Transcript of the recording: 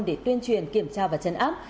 để tuyên truyền kiểm tra và chấn áp